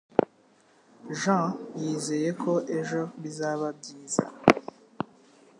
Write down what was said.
Jean yizeye ko ejo bizaba byiza.